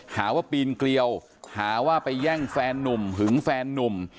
หาว่าปีนเกลียวหาว่าไปแย่งแฟนนุ่มหึงแฟนนุ่ม